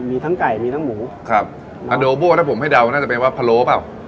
มีทั้งไก่มีทั้งหมูครับอโดโบถ้าผมให้เดาน่าจะเป็นว่าพะโล้เปล่า